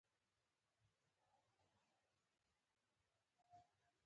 سهار د ګلانو د پرانیستو موسم دی.